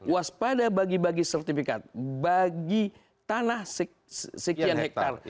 waspada bagi bagi sertifikat bagi tanah sekian hektare